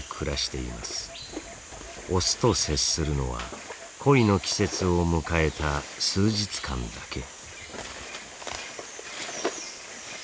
オスと接するのは恋の季節を迎えた数日間だけ。